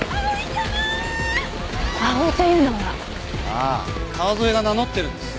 ああ川添が名乗ってるんです。